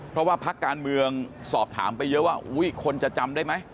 เพราะว่าพักการเมืองสอบถามไปเยอะว่าอุ้ยคนจะจำได้ไหม